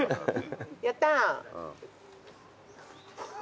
やった！